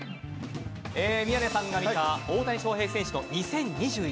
宮根さんが見た大谷翔平選手の２０２１。